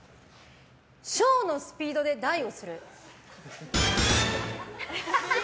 小のスピードで大をする。